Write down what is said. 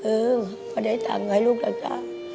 เออพอได้ตังค์ให้ลูกลักษา